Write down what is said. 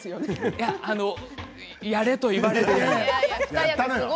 いややれと言われて。